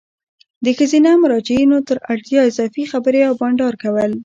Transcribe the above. د ښځینه مراجعینو تر اړتیا اضافي خبري او بانډار کول